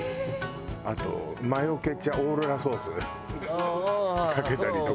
あとマヨケチャオーロラソースかけたりとか。